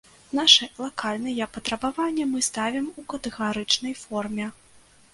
Нашы лакальныя патрабаванні мы ставім у катэгарычнай форме.